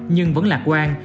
nhưng vẫn lạc quan